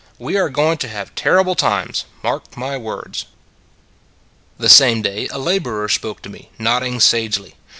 We are going to have terrible times; mark my words." The same day a laborer spoke to me, nodding sagely.